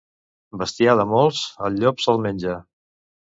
Bestiar de molts, el llop se'l menja.